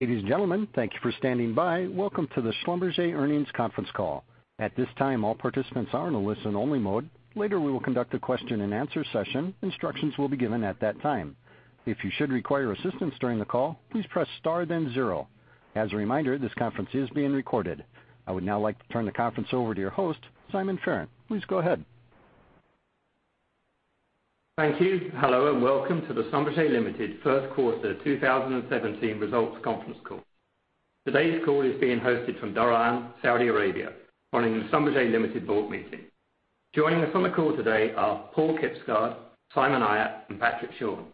Ladies and gentlemen, thank you for standing by. Welcome to the Schlumberger Earnings Conference Call. At this time, all participants are in a listen-only mode. Later we will conduct a question-and-answer session. Instructions will be given at that time. If you should require assistance during the call, please press star then zero. As a reminder, this conference is being recorded. I would now like to turn the conference over to your host, Simon Farrant. Please go ahead. Thank you. Hello, welcome to the Schlumberger Limited First Quarter 2017 Results Conference Call. Today's call is being hosted from Dhahran, Saudi Arabia, following the Schlumberger Limited board meeting. Joining us on the call today are Paal Kibsgaard, Simon Ayat, and Patrick Schorn.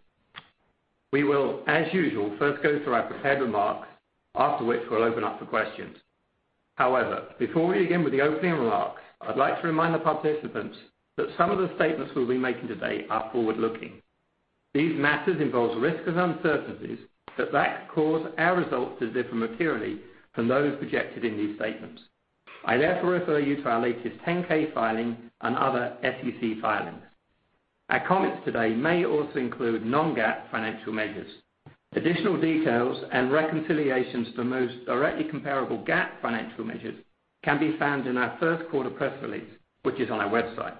We will, as usual, first go through our prepared remarks, after which we'll open up for questions. Before we begin with the opening remarks, I'd like to remind the participants that some of the statements we'll be making today are forward-looking. These matters involve risks and uncertainties that might cause our results to differ materially from those projected in these statements. I therefore refer you to our latest 10-K filing and other SEC filings. Our comments today may also include non-GAAP financial measures. Additional details and reconciliations to the most directly comparable GAAP financial measures can be found in our first quarter press release, which is on our website.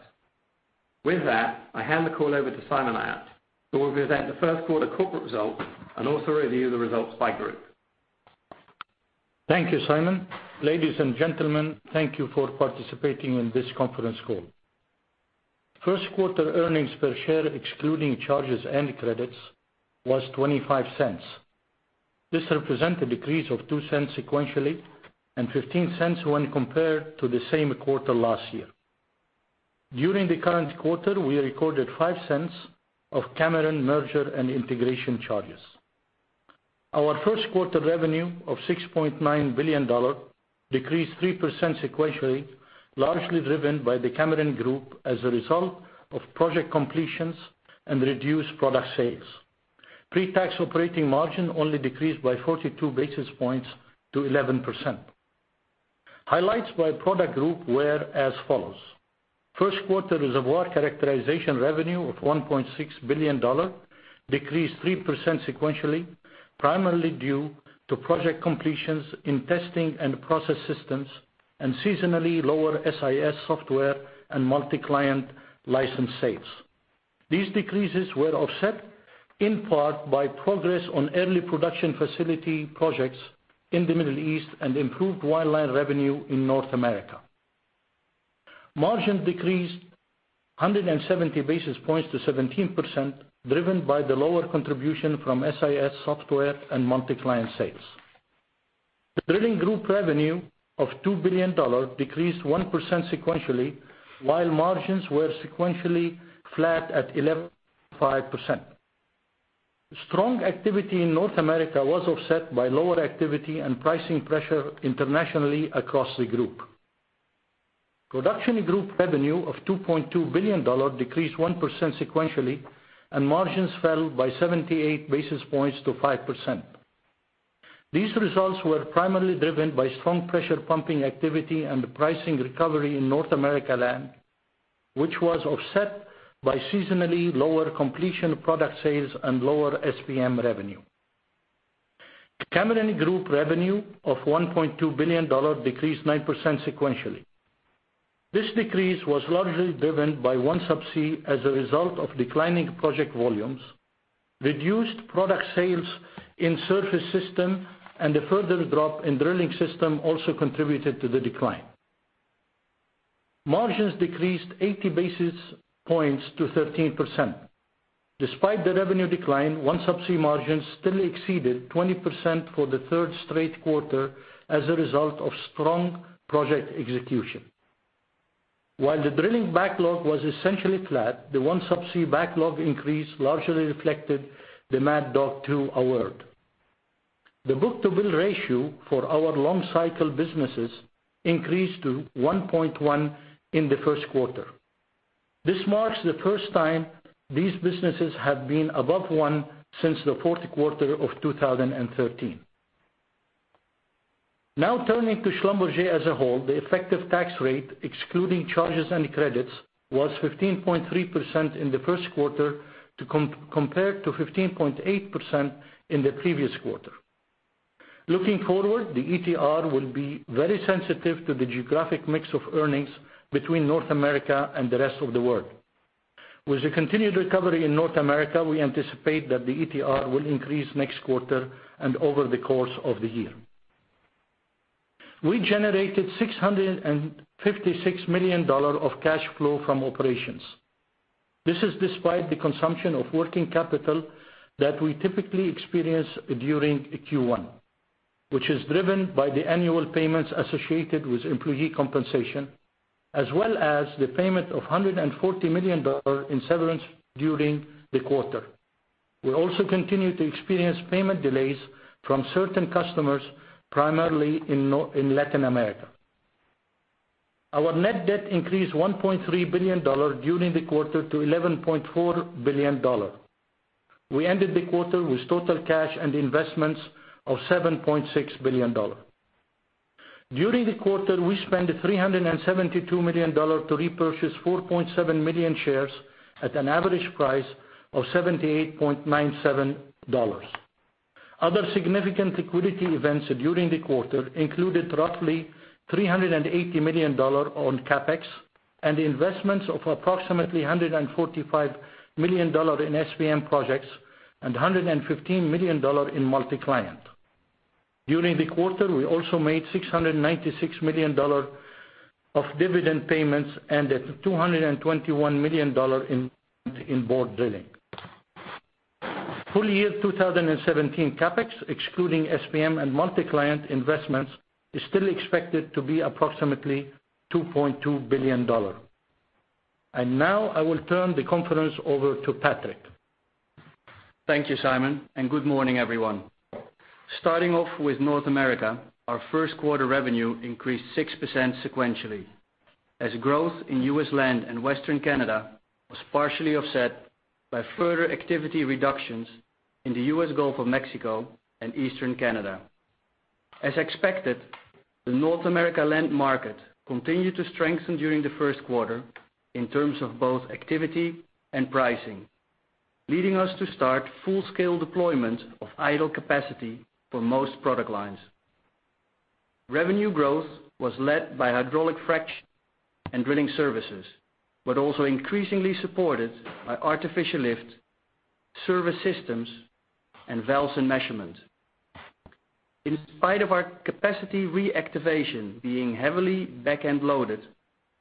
With that, I hand the call over to Simon Ayat, who will present the first quarter corporate results and also review the results by group. Thank you, Simon. Ladies and gentlemen, thank you for participating in this conference call. First quarter earnings per share, excluding charges and credits, was $0.25. This represents a decrease of $0.02 sequentially and $0.15 when compared to the same quarter last year. During the current quarter, we recorded $0.05 of Cameron merger and integration charges. Our first quarter revenue of $6.9 billion decreased 3% sequentially, largely driven by the Cameron Group as a result of project completions and reduced product sales. Pre-tax operating margin only decreased by 42 basis points to 11%. Highlights by product group were as follows. First quarter Reservoir Characterization revenue of $1.6 billion decreased 3% sequentially, primarily due to project completions in testing and process systems, and seasonally lower SIS software and multi-client license sales. These decreases were offset in part by progress on early production facility projects in the Middle East and improved wireline revenue in North America. Margin decreased 170 basis points to 17%, driven by the lower contribution from SIS software and multi-client sales. The Drilling Group revenue of $2 billion decreased 1% sequentially, while margins were sequentially flat at 11.5%. Strong activity in North America was offset by lower activity and pricing pressure internationally across the group. Production Group revenue of $2.2 billion decreased 1% sequentially, and margins fell by 78 basis points to 5%. These results were primarily driven by strong pressure pumping activity and the pricing recovery in North America Land, which was offset by seasonally lower completion product sales and lower SPM revenue. Cameron Group revenue of $1.2 billion decreased 9% sequentially. This decrease was largely driven by OneSubsea as a result of declining project volumes, reduced product sales in surface systems, and a further drop in drilling systems also contributed to the decline. Margins decreased 80 basis points to 13%. Despite the revenue decline, OneSubsea margins still exceeded 20% for the third straight quarter as a result of strong project execution. While the drilling backlog was essentially flat, the OneSubsea backlog increase largely reflected the Mad Dog 2 award. The book-to-bill ratio for our long-cycle businesses increased to 1.1 in the first quarter. This marks the first time these businesses have been above one since the fourth quarter of 2013. Turning to Schlumberger as a whole, the effective tax rate, excluding charges and credits, was 15.3% in the first quarter compared to 15.8% in the previous quarter. Looking forward, the ETR will be very sensitive to the geographic mix of earnings between North America and the rest of the world. With the continued recovery in North America, we anticipate that the ETR will increase next quarter and over the course of the year. We generated $656 million of cash flow from operations. This is despite the consumption of working capital that we typically experience during Q1, which is driven by the annual payments associated with employee compensation, as well as the payment of $140 million in severance during the quarter. We also continue to experience payment delays from certain customers, primarily in Latin America. Our net debt increased $1.3 billion during the quarter to $11.4 billion. We ended the quarter with total cash and investments of $7.6 billion. During the quarter, we spent $372 million to repurchase 4.7 million shares at an average price of $78.97. Other significant liquidity events during the quarter included roughly $380 million on CapEx and investments of approximately $145 million in SPM projects and $115 million in multi-client. During the quarter, we also made $696 million of dividend payments and $221 million in Borr Drilling. Full year 2017 CapEx, excluding SPM and multi-client investments, is still expected to be approximately $2.2 billion. I will turn the conference over to Patrick. Thank you, Simon, and good morning, everyone. Starting off with North America, our first quarter revenue increased 6% sequentially, as growth in U.S. land and Western Canada was partially offset by further activity reductions in the U.S. Gulf of Mexico and Eastern Canada. As expected, the North America land market continued to strengthen during the first quarter in terms of both activity and pricing, leading us to start full scale deployment of idle capacity for most product lines. Revenue growth was led by hydraulic frac and drilling services, but also increasingly supported by artificial lift, service systems, and valves and measurements. In spite of our capacity reactivation being heavily back-end loaded,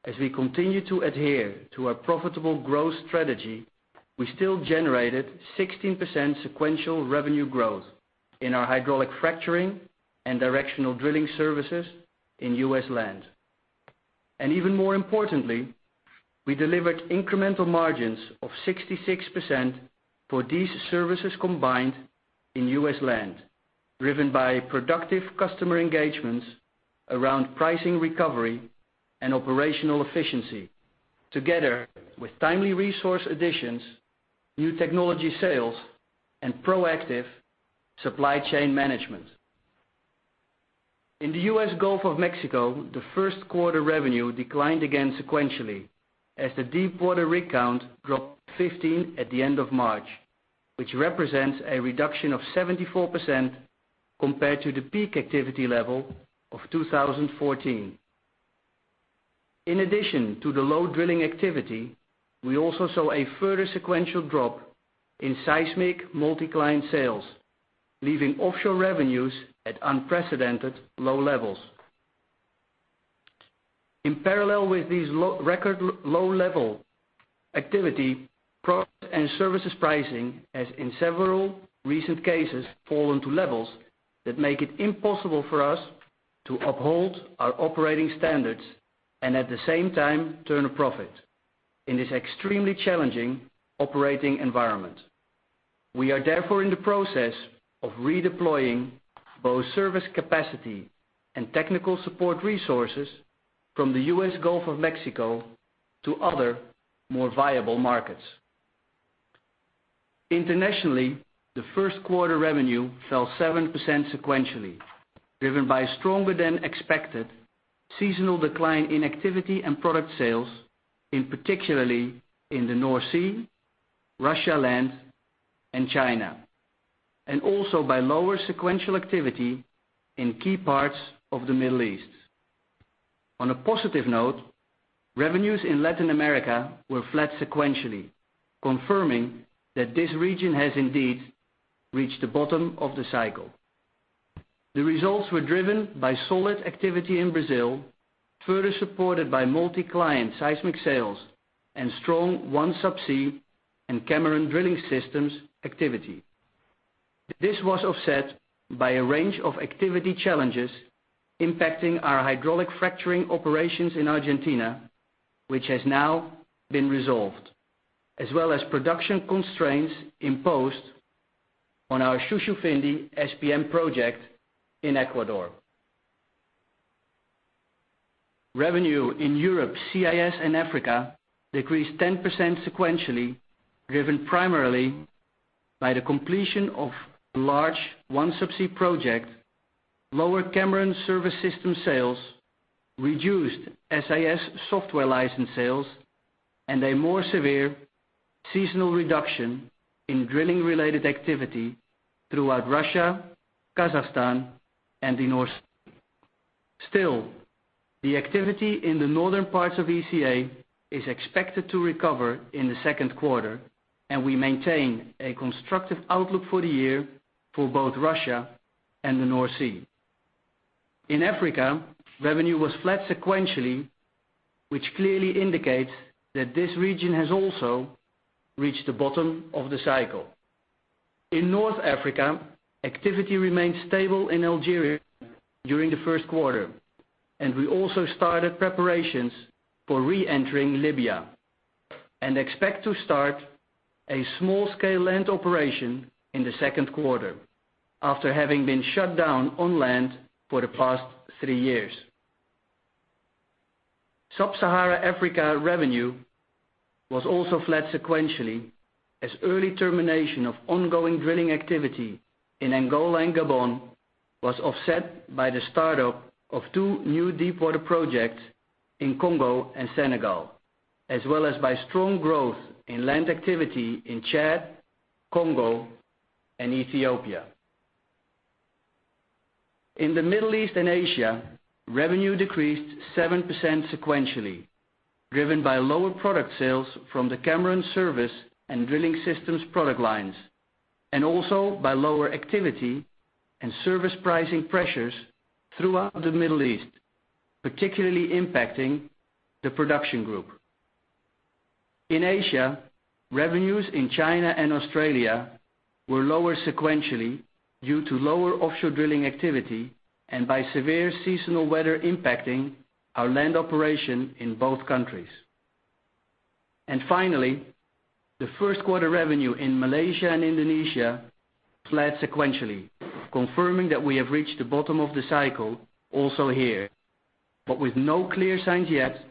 as we continue to adhere to our profitable growth strategy, we still generated 16% sequential revenue growth in our hydraulic fracturing and directional drilling services in U.S. land. Even more importantly, we delivered incremental margins of 66% for these services combined in U.S. land, driven by productive customer engagements around pricing recovery and operational efficiency, together with timely resource additions, new technology sales, and proactive supply chain management. In the U.S. Gulf of Mexico, the first quarter revenue declined again sequentially as the deepwater rig count dropped 15 at the end of March, which represents a reduction of 74% compared to the peak activity level of 2014. In addition to the low drilling activity, we also saw a further sequential drop in seismic multi-client sales, leaving offshore revenues at unprecedented low levels. In parallel with this record low level activity, product and services pricing has in several recent cases fallen to levels that make it impossible for us to uphold our operating standards and at the same time, turn a profit in this extremely challenging operating environment. We are therefore in the process of redeploying both service capacity and technical support resources from the U.S. Gulf of Mexico to other, more viable markets. Internationally, the first quarter revenue fell 7% sequentially, driven by stronger than expected seasonal decline in activity and product sales in particularly in the North Sea, Russia land, and China, also by lower sequential activity in key parts of the Middle East. On a positive note, revenues in Latin America were flat sequentially, confirming that this region has indeed reached the bottom of the cycle. The results were driven by solid activity in Brazil, further supported by multi-client seismic sales and strong OneSubsea and Cameron Drilling Systems activity. This was offset by a range of activity challenges impacting our hydraulic fracturing operations in Argentina, which has now been resolved, as well as production constraints imposed on our Shushufindi SPM project in Ecuador. Revenue in Europe, CIS, and Africa decreased 10% sequentially, driven primarily by the completion of large OneSubsea project, lower Cameron service system sales, reduced SIS software license sales, and a more severe seasonal reduction in drilling-related activity throughout Russia, Kazakhstan, and the North Sea. Still, the activity in the northern parts of ECA is expected to recover in the second quarter, and we maintain a constructive outlook for the year for both Russia and the North Sea. In Africa, revenue was flat sequentially, which clearly indicates that this region has also reached the bottom of the cycle. In North Africa, activity remained stable in Algeria during the first quarter, and we also started preparations for re-entering Libya and expect to start a small-scale land operation in the second quarter after having been shut down on land for the past three years. Sub-Sahara Africa revenue was also flat sequentially as early termination of ongoing drilling activity in Angola and Gabon was offset by the startup of two new deepwater projects in Congo and Senegal, as well as by strong growth in land activity in Chad, Congo, and Ethiopia. In the Middle East and Asia, revenue decreased 7% sequentially, driven by lower product sales from the Cameron Service and Drilling Systems product lines, and also by lower activity and service pricing pressures throughout the Middle East, particularly impacting the production group. In Asia, revenues in China and Australia were lower sequentially due to lower offshore drilling activity and by severe seasonal weather impacting our land operation in both countries. Finally, the first quarter revenue in Malaysia and Indonesia flat sequentially, confirming that we have reached the bottom of the cycle also here, but with no clear signs yet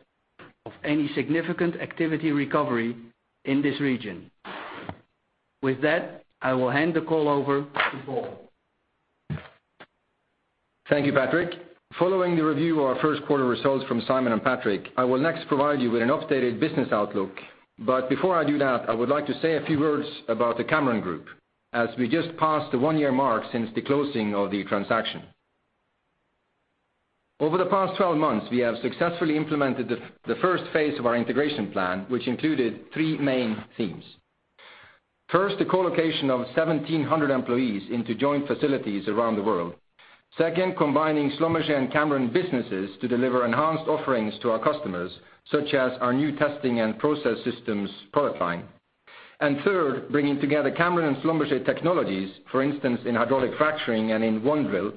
of any significant activity recovery in this region. With that, I will hand the call over to Paal. Thank you, Patrick. Following the review of our first quarter results from Simon and Patrick, I will next provide you with an updated business outlook. Before I do that, I would like to say a few words about the Cameron Group, as we just passed the one-year mark since the closing of the transaction. Over the past 12 months, we have successfully implemented the first phase of our integration plan, which included three main themes. First, the co-location of 1,700 employees into joint facilities around the world. Second, combining Schlumberger and Cameron businesses to deliver enhanced offerings to our customers, such as our new testing and process systems product line. Third, bringing together Cameron and Schlumberger technologies. For instance, in hydraulic fracturing and in OneDrill,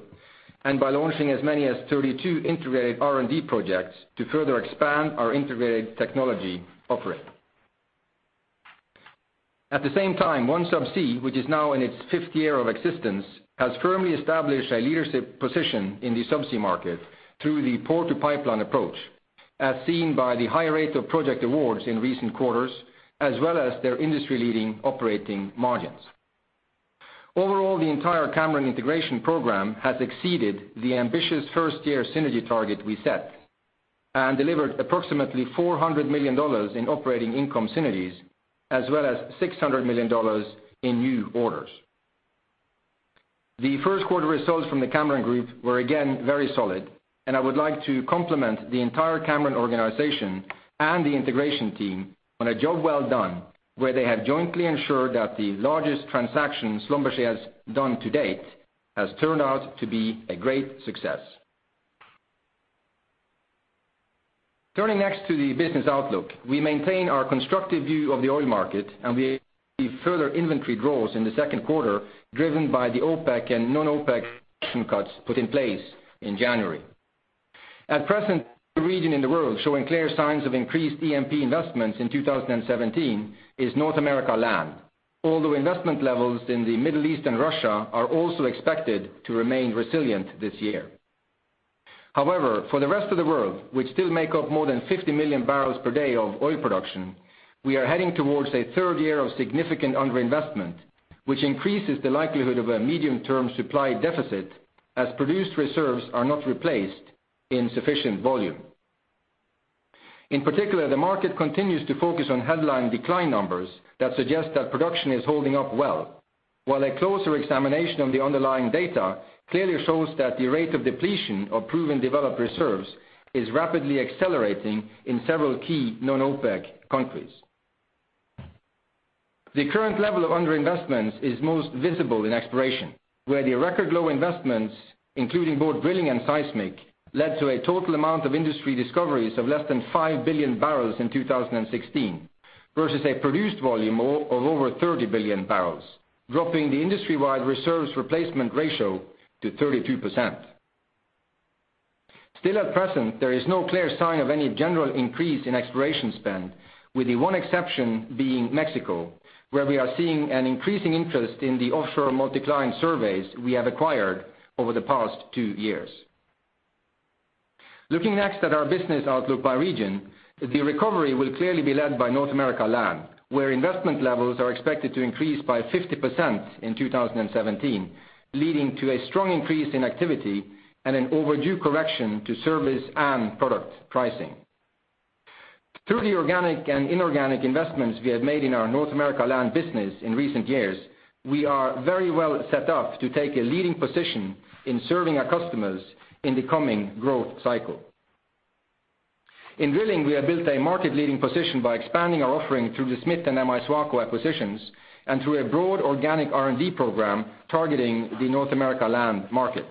by launching as many as 32 integrated R&D projects to further expand our integrated technology offering. At the same time, OneSubsea, which is now in its fifth year of existence, has firmly established a leadership position in the subsea market through the pore-to-pipeline approach, as seen by the high rate of project awards in recent quarters, as well as their industry-leading operating margins. Overall, the entire Cameron integration program has exceeded the ambitious first-year synergy target we set and delivered approximately $400 million in operating income synergies, as well as $600 million in new orders. The first quarter results from the Cameron Group were again very solid, and I would like to compliment the entire Cameron organization and the integration team on a job well done, where they have jointly ensured that the largest transaction Schlumberger has done to date has turned out to be a great success. Turning next to the business outlook. We maintain our constructive view of the oil market, we see further inventory draws in the second quarter, driven by the OPEC and non-OPEC cuts put in place in January. At present, the region in the world showing clear signs of increased E&P investments in 2017 is North America land. Investment levels in the Middle East and Russia are also expected to remain resilient this year. For the rest of the world, which still make up more than 50 million barrels per day of oil production, we are heading towards a third year of significant underinvestment, which increases the likelihood of a medium-term supply deficit, as produced reserves are not replaced in sufficient volume. In particular, the market continues to focus on headline decline numbers that suggest that production is holding up well. A closer examination of the underlying data clearly shows that the rate of depletion of proven developed reserves is rapidly accelerating in several key non-OPEC countries. The current level of underinvestment is most visible in exploration, where the record low investments, including both drilling and seismic, led to a total amount of industry discoveries of less than 5 billion barrels in 2016, versus a produced volume of over 30 billion barrels, dropping the industry-wide reserves replacement ratio to 32%. At present, there is no clear sign of any general increase in exploration spend, with the one exception being Mexico, where we are seeing an increasing interest in the offshore multi-client surveys we have acquired over the past two years. Looking next at our business outlook by region, the recovery will clearly be led by North America land, where investment levels are expected to increase by 50% in 2017, leading to a strong increase in activity and an overdue correction to service and product pricing. Through the organic and inorganic investments we have made in our North America land business in recent years, we are very well set up to take a leading position in serving our customers in the coming growth cycle. In drilling, we have built a market-leading position by expanding our offering through the Smith and M-I SWACO acquisitions and through a broad organic R&D program targeting the North America land market.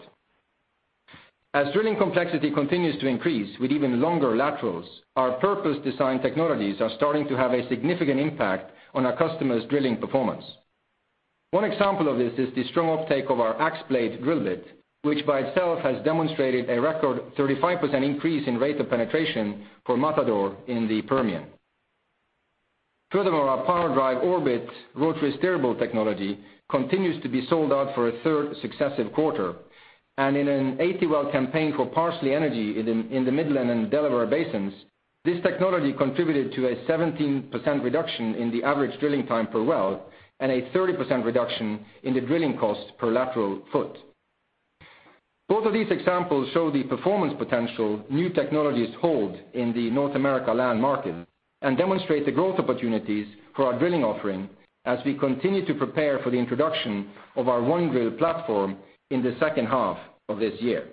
As drilling complexity continues to increase with even longer laterals, our purpose-designed technologies are starting to have a significant impact on our customers' drilling performance. One example of this is the strong uptake of our AxeBlade drill bit, which by itself has demonstrated a record 35% increase in rate of penetration for Matador in the Permian. Furthermore, our PowerDrive Orbit rotary steerable technology continues to be sold out for a third successive quarter. In an 80-well campaign for Parsley Energy in the Midland and Delaware basins, this technology contributed to a 17% reduction in the average drilling time per well and a 30% reduction in the drilling cost per lateral foot. Both of these examples show the performance potential new technologies hold in the North America land market and demonstrate the growth opportunities for our drilling offering as we continue to prepare for the introduction of our OneDrill platform in the second half of this year.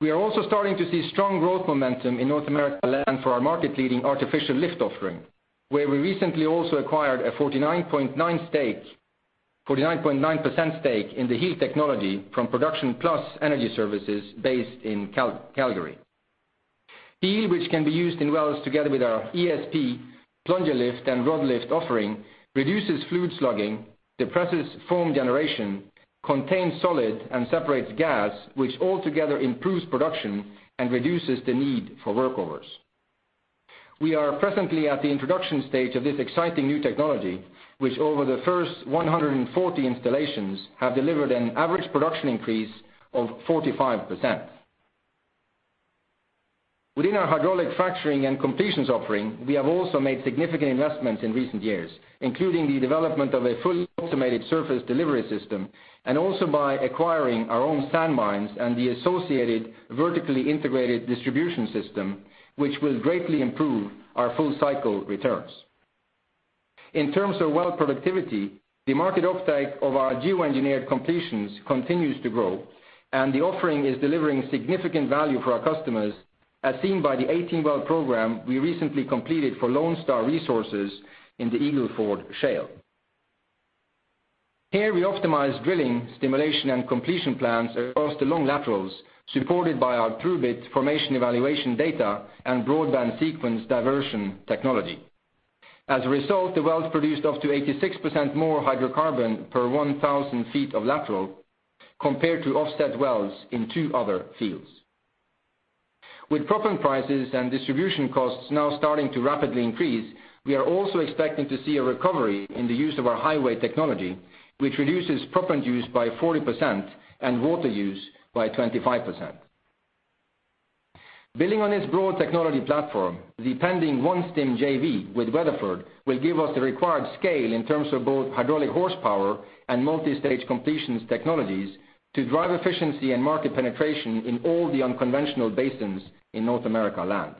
We are also starting to see strong growth momentum in North America land for our market-leading artificial lift offering, where we recently also acquired a 49.9% stake in the HEAL technology from Production Plus Energy Services based in Calgary. HEAL, which can be used in wells together with our ESP, plunger lift, and rod lift offering, reduces fluid slugging, depresses foam generation, contains solid and separates gas, which altogether improves production and reduces the need for workovers. We are presently at the introduction stage of this exciting new technology, which over the first 140 installations, have delivered an average production increase of 45%. Within our hydraulic fracturing and completions offering, we have also made significant investments in recent years, including the development of a fully automated surface delivery system, and also by acquiring our own sand mines and the associated vertically integrated distribution system, which will greatly improve our full cycle returns. In terms of well productivity, the market uptake of our geo-engineered completions continues to grow, and the offering is delivering significant value for our customers, as seen by the 18-well program we recently completed for LONE STAR Resources in the Eagle Ford Shale. Here we optimized drilling, stimulation, and completion plans across the long laterals, supported by our ThruBit formation evaluation data and BroadBand Sequence diversion technology. As a result, the wells produced up to 86% more hydrocarbon per 1,000 feet of lateral compared to offset wells in two other fields. With proppant prices and distribution costs now starting to rapidly increase, we are also expecting to see a recovery in the use of our HiWAY technology, which reduces proppant use by 40% and water use by 25%. Building on its broad technology platform, the pending OneStim JV with Weatherford will give us the required scale in terms of both hydraulic horsepower and multistage completions technologies to drive efficiency and market penetration in all the unconventional basins in North America land.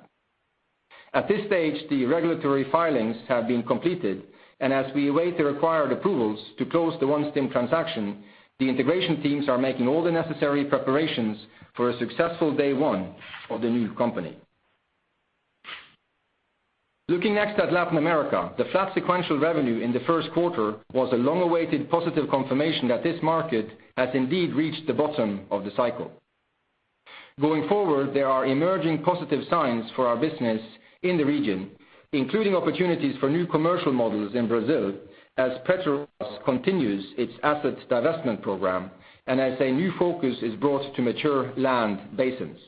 At this stage, the regulatory filings have been completed, and as we await the required approvals to close the OneStim transaction, the integration teams are making all the necessary preparations for a successful day one of the new company. Looking next at Latin America, the flat sequential revenue in the first quarter was a long-awaited positive confirmation that this market has indeed reached the bottom of the cycle. Going forward, there are emerging positive signs for our business in the region, including opportunities for new commercial models in Brazil as Petrobras continues its assets divestment program, and as a new focus is brought to mature land basins.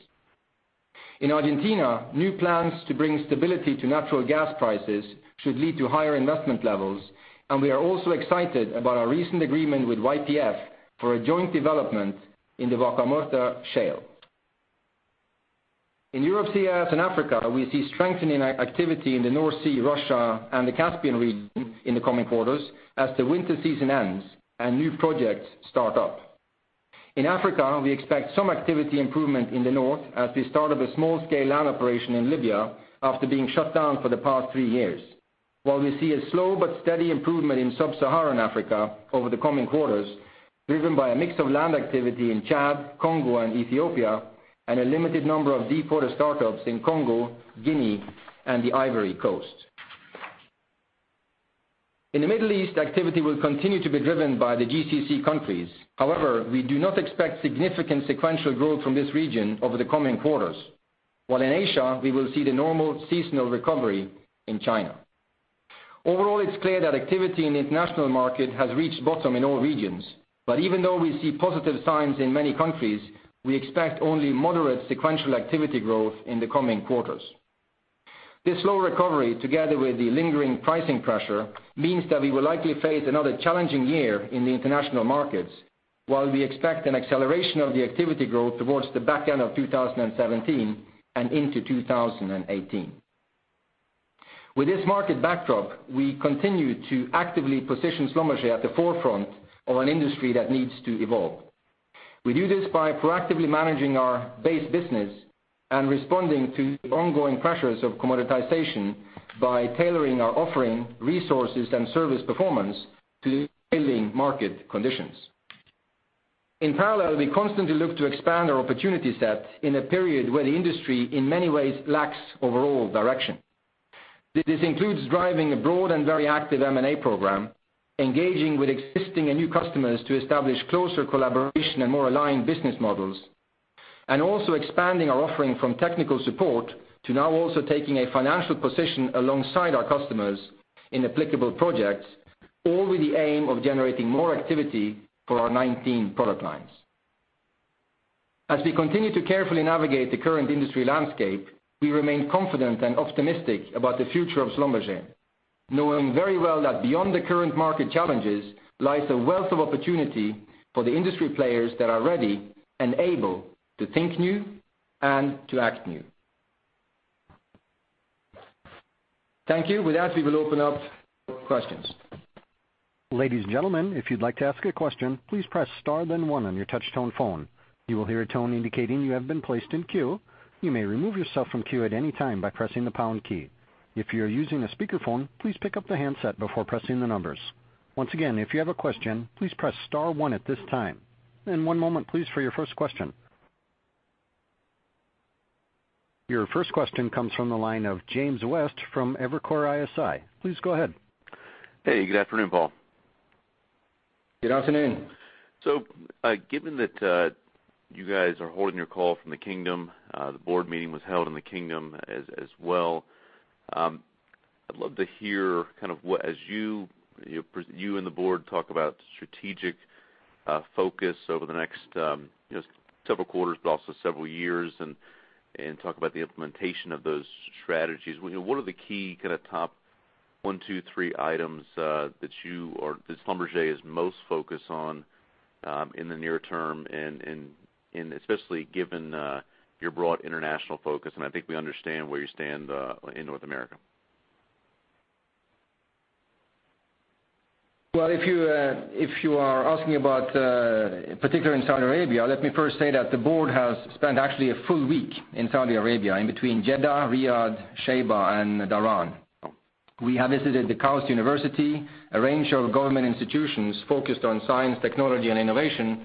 In Argentina, new plans to bring stability to natural gas prices should lead to higher investment levels, and we are also excited about our recent agreement with YPF for a joint development in the Vaca Muerta Shale. In Europe, CIS, and Africa, we see strengthening activity in the North Sea, Russia, and the Caspian region in the coming quarters as the winter season ends and new projects start up. In Africa, we expect some activity improvement in the north as we start up a small-scale land operation in Libya after being shut down for the past three years. We see a slow but steady improvement in sub-Saharan Africa over the coming quarters, driven by a mix of land activity in Chad, Congo, and Ethiopia, and a limited number of deepwater startups in Congo, Guinea, and the Ivory Coast. In the Middle East, activity will continue to be driven by the GCC countries. We do not expect significant sequential growth from this region over the coming quarters. In Asia, we will see the normal seasonal recovery in China. Overall, it's clear that activity in the international market has reached bottom in all regions. Even though we see positive signs in many countries, we expect only moderate sequential activity growth in the coming quarters. This slow recovery, together with the lingering pricing pressure, means that we will likely face another challenging year in the international markets while we expect an acceleration of the activity growth towards the back end of 2017 and into 2018. With this market backdrop, we continue to actively position Schlumberger at the forefront of an industry that needs to evolve. We do this by proactively managing our base business and responding to the ongoing pressures of commoditization by tailoring our offering, resources, and service performance to prevailing market conditions. In parallel, we constantly look to expand our opportunity set in a period where the industry, in many ways, lacks overall direction. This includes driving a broad and very active M&A program, engaging with existing and new customers to establish closer collaboration and more aligned business models, and also expanding our offering from technical support to now also taking a financial position alongside our customers in applicable projects, all with the aim of generating more activity for our 19 product lines. As we continue to carefully navigate the current industry landscape, we remain confident and optimistic about the future of Schlumberger. Knowing very well that beyond the current market challenges, lies a wealth of opportunity for the industry players that are ready and able to think new and to act new. Thank you. With that, we will open up for questions. Ladies and gentlemen, if you'd like to ask a question, please press star then one on your touch tone phone. You will hear a tone indicating you have been placed in queue. You may remove yourself from queue at any time by pressing the pound key. If you're using a speakerphone, please pick up the handset before pressing the numbers. Once again, if you have a question, please press star one at this time. One moment please for your first question. Your first question comes from the line of James West from Evercore ISI. Please go ahead. Hey, good afternoon, Paal. Good afternoon. Given that you guys are holding your call from the Kingdom, the board meeting was held in the Kingdom as well. I'd love to hear as you and the board talk about strategic focus over the next several quarters, but also several years, and talk about the implementation of those strategies. What are the key kind of top one, two, three items that you or that Schlumberger is most focused on in the near term and especially given your broad international focus? I think we understand where you stand in North America. Well, if you are asking about, particularly in Saudi Arabia, let me first say that the board has spent actually a full week in Saudi Arabia between Jeddah, Riyadh, Shaybah, and Dhahran. We have visited the KAUST University, a range of government institutions focused on science, technology, and innovation.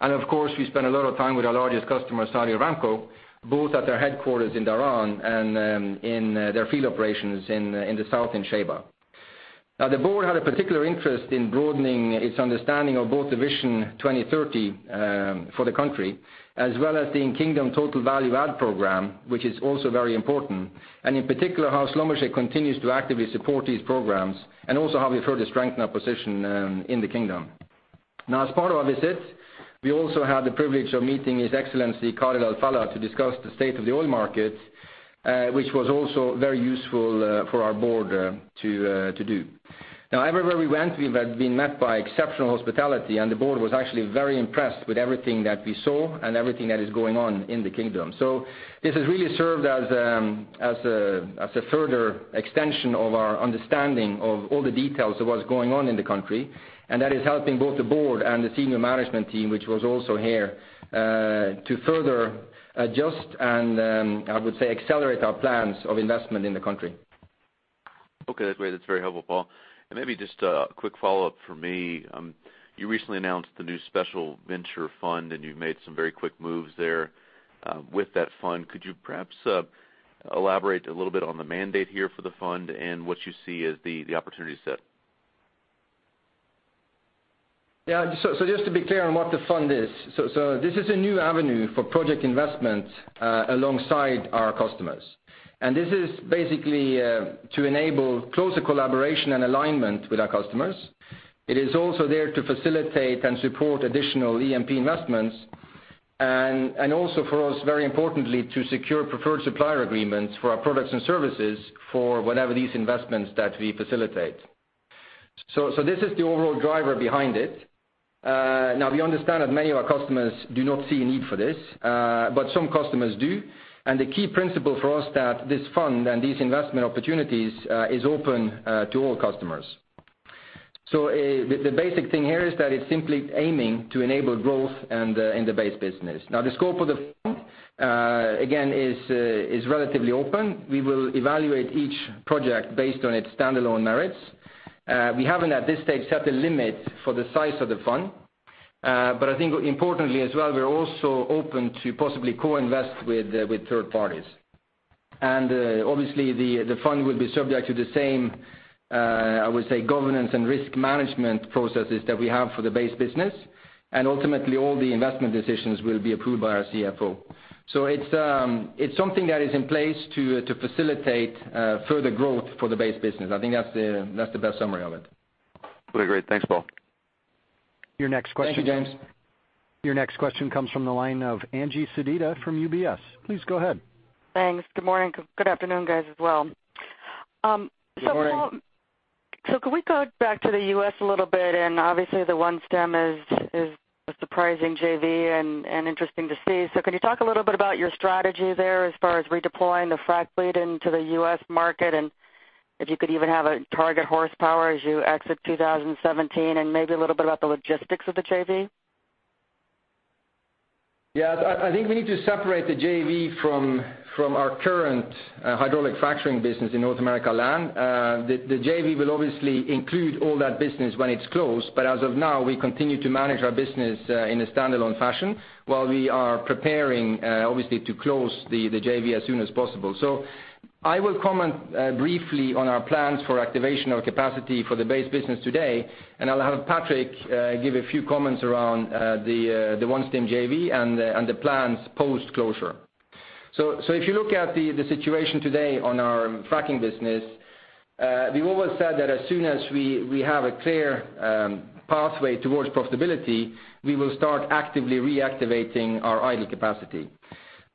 Of course, we spent a lot of time with our largest customer, Saudi Aramco, both at their headquarters in Dhahran and in their field operations in the south in Shaybah. Now, the board had a particular interest in broadening its understanding of both the Saudi Vision 2030 for the country, as well as the In-Kingdom Total Value Add program, which is also very important. In particular, how Schlumberger continues to actively support these programs, and also how we further strengthen our position in the Kingdom. As part of our visit, we also had the privilege of meeting His Excellency Khalid Al-Falih to discuss the state of the oil market, which was also very useful for our board to do. Everywhere we went, we've been met by exceptional hospitality, and the board was actually very impressed with everything that we saw and everything that is going on in the Kingdom. This has really served as a further extension of our understanding of all the details of what's going on in the country. That is helping both the board and the senior management team, which was also here, to further adjust and, I would say, accelerate our plans of investment in the country. Okay, that's great. That's very helpful, Paal. Maybe just a quick follow-up from me. You recently announced the new special venture fund, and you've made some very quick moves there with that fund. Could you perhaps elaborate a little bit on the mandate here for the fund and what you see as the opportunity set? Yeah. Just to be clear on what the fund is. This is a new avenue for project investment alongside our customers. This is basically to enable closer collaboration and alignment with our customers. It is also there to facilitate and support additional E&P investments and also for us, very importantly, to secure preferred supplier agreements for our products and services for whatever these investments that we facilitate. This is the overall driver behind it. We understand that many of our customers do not see a need for this, but some customers do. The key principle for us that this fund and these investment opportunities is open to all customers. The basic thing here is that it's simply aiming to enable growth in the base business. The scope of the fund, again, is relatively open. We will evaluate each project based on its standalone merits. We haven't, at this stage, set a limit for the size of the fund. I think importantly as well, we're also open to possibly co-invest with third parties. Obviously the fund will be subject to the same, I would say, governance and risk management processes that we have for the base business. Ultimately, all the investment decisions will be approved by our CFO. It's something that is in place to facilitate further growth for the base business. I think that's the best summary of it. Okay, great. Thanks, Paal. Your next question- Thank you, James. Your next question comes from the line of Angie Sedita from UBS. Please go ahead. Thanks. Good morning. Good afternoon, guys, as well. Good morning. Paal, could we go back to the U.S. a little bit? Obviously the OneStim is a surprising JV and interesting to see. Could you talk a little bit about your strategy there as far as redeploying the frac fleet into the U.S. market, and if you could even have a target horsepower as you exit 2017, and maybe a little bit about the logistics of the JV? Yeah. I think we need to separate the JV from our current hydraulic fracturing business in North America land. The JV will obviously include all that business when it's closed, but as of now, we continue to manage our business in a standalone fashion while we are preparing, obviously, to close the JV as soon as possible. I will comment briefly on our plans for activation of capacity for the base business today, and I'll have Patrick give a few comments around the OneStim JV and the plans post-closure. If you look at the situation today on our fracking business, we've always said that as soon as we have a clear pathway towards profitability, we will start actively reactivating our idle capacity.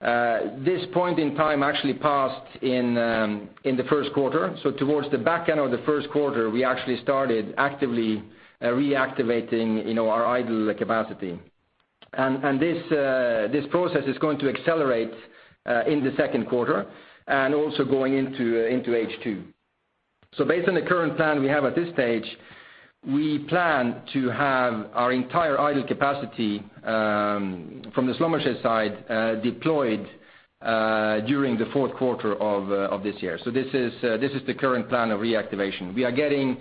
This point in time actually passed in the first quarter. Towards the back end of the first quarter, we actually started actively reactivating our idle capacity. This process is going to accelerate in the second quarter and also going into H2. Based on the current plan we have at this stage, we plan to have our entire idle capacity from the Schlumberger side deployed during the fourth quarter of this year. This is the current plan of reactivation. We are getting,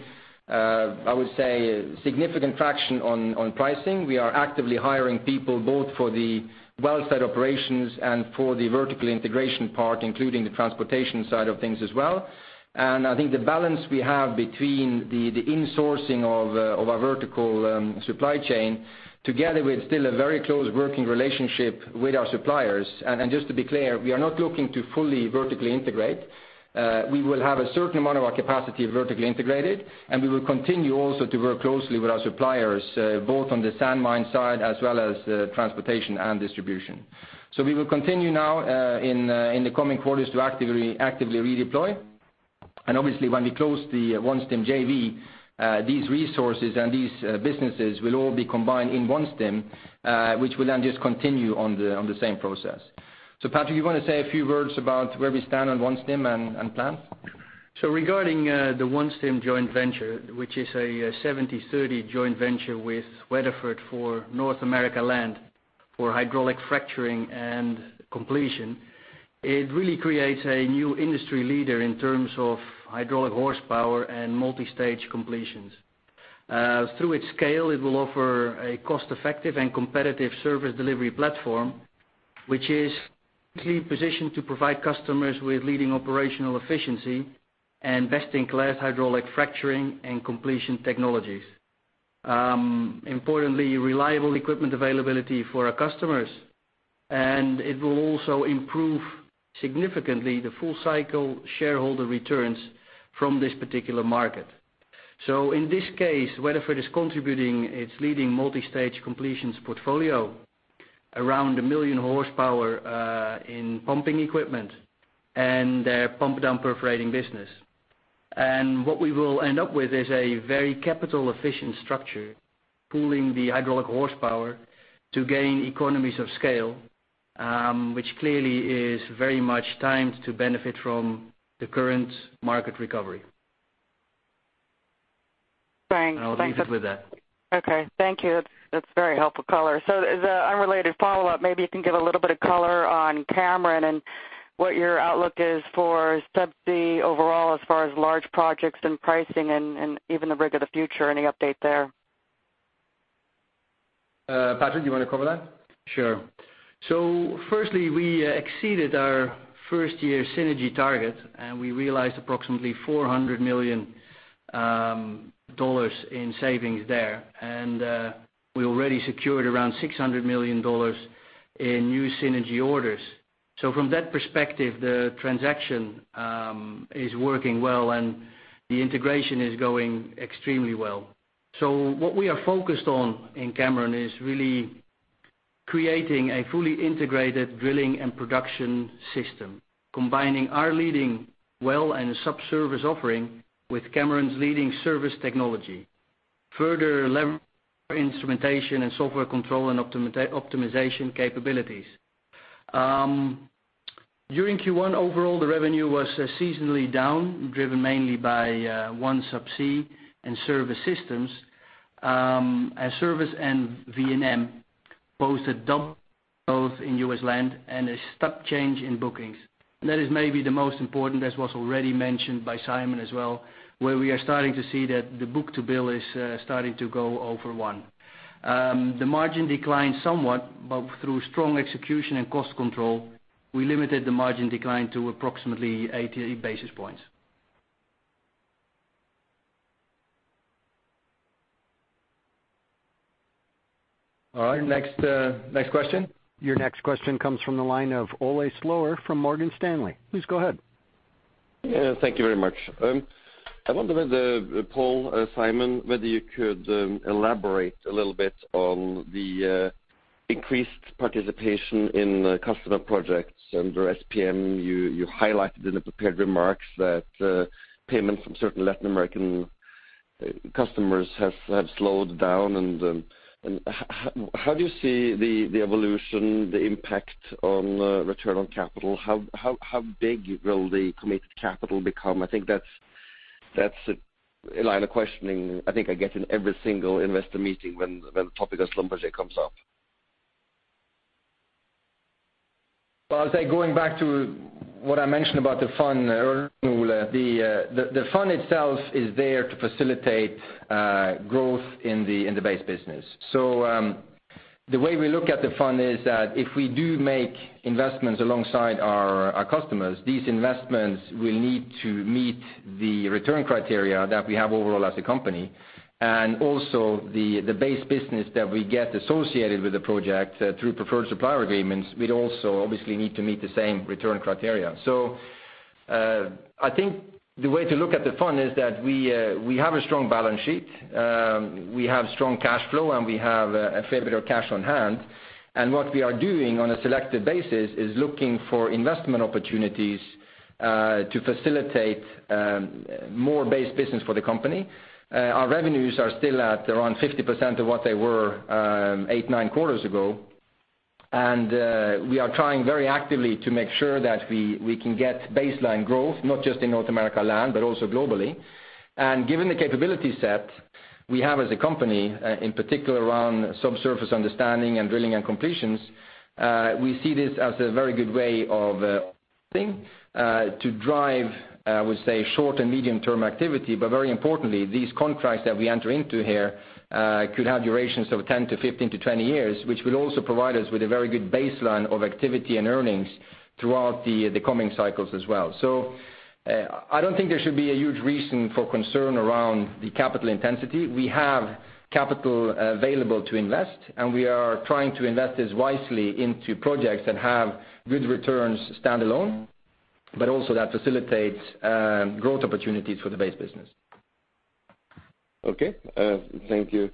I would say, significant traction on pricing. We are actively hiring people both for the well site operations and for the vertical integration part, including the transportation side of things as well. I think the balance we have between the insourcing of our vertical supply chain, together with still a very close working relationship with our suppliers. Just to be clear, we are not looking to fully vertically integrate. We will have a certain amount of our capacity vertically integrated. We will continue also to work closely with our suppliers, both on the sand mine side as well as transportation and distribution. We will continue now in the coming quarters to actively redeploy. Obviously when we close the OneStim JV, these resources and these businesses will all be combined in OneStim, which will then just continue on the same process. Patrick, you want to say a few words about where we stand on OneStim and plans? Regarding the OneStim joint venture, which is a 70/30 joint venture with Weatherford for North America land, for hydraulic fracturing and completion, it really creates a new industry leader in terms of hydraulic horsepower and multistage completions. Through its scale, it will offer a cost-effective and competitive service delivery platform, which is key positioned to provide customers with leading operational efficiency and best-in-class hydraulic fracturing and completion technologies. Importantly, reliable equipment availability for our customers. It will also improve significantly the full cycle shareholder returns from this particular market. In this case, Weatherford is contributing its leading multistage completions portfolio around 1 million horsepower in pumping equipment and their pump down perforating business. What we will end up with is a very capital-efficient structure, pooling the hydraulic horsepower to gain economies of scale, which clearly is very much timed to benefit from the current market recovery. Thanks. I'll leave it with that. Thank you. That's very helpful color. As an unrelated follow-up, maybe you can give a little bit of color on Cameron and what your outlook is for Subsea overall as far as large projects and pricing and even the Rig of the Future. Any update there? Patrick, you want to cover that? Sure. Firstly, we exceeded our first-year synergy target, and we realized approximately $400 million in savings there. We already secured around $600 million in new synergy orders. From that perspective, the transaction is working well, and the integration is going extremely well. What we are focused on in Cameron is really creating a fully integrated drilling and production system, combining our leading well and sub service offering with Cameron's leading service technology. Further levering our instrumentation and software control and optimization capabilities. During Q1, overall, the revenue was seasonally down, driven mainly by OneSubsea and service systems. Service and VMG posted double both in U.S. land and a step change in bookings. That is maybe the most important, as was already mentioned by Simon as well, where we are starting to see that the book-to-bill is starting to go over one. The margin declined somewhat. Through strong execution and cost control, we limited the margin decline to approximately 80 basis points. All right. Next question. Your next question comes from the line of Ole Slorer from Morgan Stanley. Please go ahead. Yeah, thank you very much. I wonder, Paal, Simon, whether you could elaborate a little bit on the increased participation in customer projects under SPM. You highlighted in the prepared remarks that payments from certain Latin American customers have slowed down. How do you see the evolution, the impact on return on capital? How big will the committed capital become? I think that's a line of questioning I think I get in every single investor meeting when the topic of Schlumberger comes up. Well, I'd say going back to what I mentioned about the fund earlier, Ole. The fund itself is there to facilitate growth in the base business. The way we look at the fund is that if we do make investments alongside our customers, these investments will need to meet the return criteria that we have overall as a company. Also the base business that we get associated with the project through preferred supplier agreements, we'd also obviously need to meet the same return criteria. I think the way to look at the fund is that we have a strong balance sheet. We have strong cash flow, and we have a fair bit of cash on hand. What we are doing on a selected basis is looking for investment opportunities to facilitate more base business for the company. Our revenues are still at around 50% of what they were eight, nine quarters ago. We are trying very actively to make sure that we can get baseline growth, not just in North America Land, but also globally. Given the capability set we have as a company, in particular around subsurface understanding and drilling and completions, we see this as a very good way of to drive, I would say, short and medium term activity. Very importantly, these contracts that we enter into here could have durations of 10 to 15 to 20 years, which will also provide us with a very good baseline of activity and earnings throughout the coming cycles as well. I don't think there should be a huge reason for concern around the capital intensity. We have capital available to invest. We are trying to invest this wisely into projects that have good returns standalone, but also that facilitates growth opportunities for the base business. Okay. Thank you.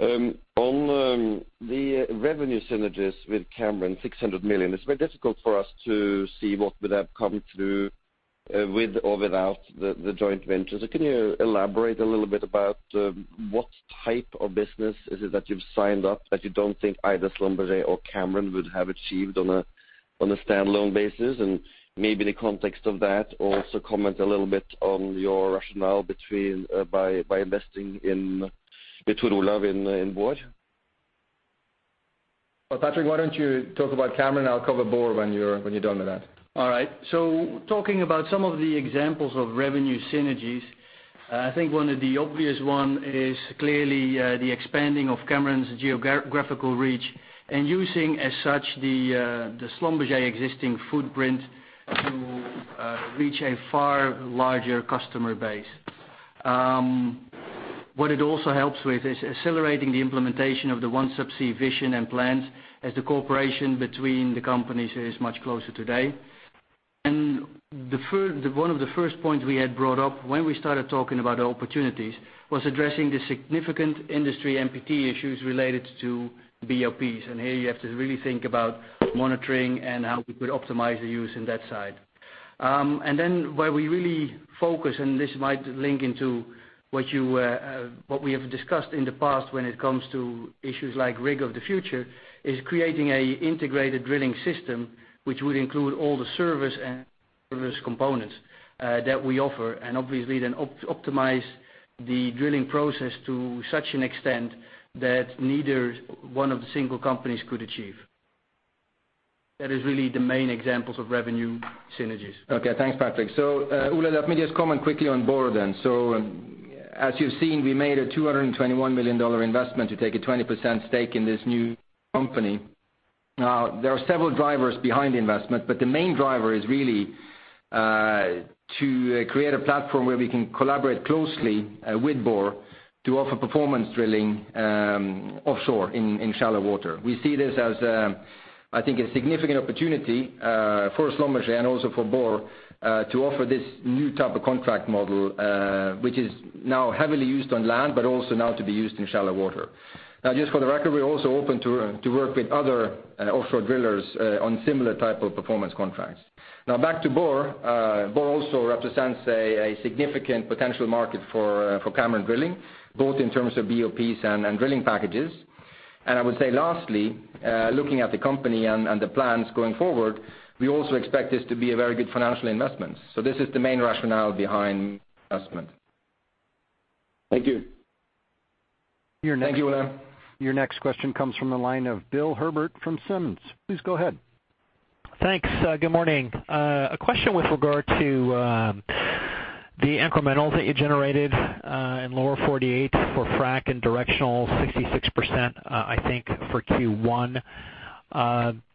On the revenue synergies with Cameron, $600 million, it's very difficult for us to see what would have come through with or without the joint venture. Can you elaborate a little bit about what type of business is it that you've signed up that you don't think either Schlumberger or Cameron would have achieved on a standalone basis? Maybe in the context of that, also comment a little bit on your rationale by investing in between Ole in Borr. Well, Patrick, why don't you talk about Cameron? I'll cover Borr when you're done with that. Talking about some of the examples of revenue synergies, I think one of the obvious one is clearly the expanding of Cameron's geographical reach and using as such the Schlumberger existing footprint to reach a far larger customer base. What it also helps with is accelerating the implementation of the OneSubsea vision and plans as the cooperation between the companies is much closer today. One of the first points we had brought up when we started talking about the opportunities was addressing the significant industry NPT issues related to BOPs. Here you have to really think about monitoring and how we could optimize the use in that side. Where we really focus, and this might link into what we have discussed in the past when it comes to issues like Rig of the Future, is creating an integrated drilling system which would include all the service and components that we offer and obviously then optimize the drilling process to such an extent that neither one of the single companies could achieve. That is really the main examples of revenue synergies. Okay. Thanks, Patrick. Ole, let me just comment quickly on Borr then. As you've seen, we made a $221 million investment to take a 20% stake in this new company. There are several drivers behind the investment, but the main driver is really to create a platform where we can collaborate closely with Borr to offer performance drilling offshore in shallow water. We see this as, I think, a significant opportunity for Schlumberger and also for Borr to offer this new type of contract model, which is now heavily used on land, but also now to be used in shallow water. Just for the record, we're also open to work with other offshore drillers on similar type of performance contracts. Back to Borr. Borr also represents a significant potential market for Cameron Drilling, both in terms of BOPs and drilling packages. I would say, lastly, looking at the company and the plans going forward, we also expect this to be a very good financial investment. This is the main rationale behind the investment. Thank you. Thank you. Thank you. Your next question comes from the line of Bill Herbert from Simmons. Please go ahead. Thanks. Good morning. A question with regard to the incrementals that you generated in Lower 48 for frac and directional, 66%, I think, for Q1.